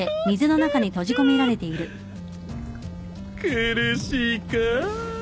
苦しいか？